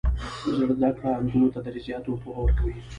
زده کړه نجونو ته د ریاضیاتو پوهه ورکوي.